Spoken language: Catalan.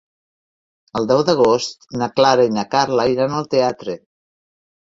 El deu d'agost na Clara i na Carla iran al teatre.